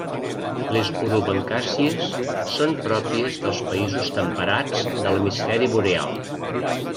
Les orobancàcies són pròpies dels països temperats de l'hemisferi boreal.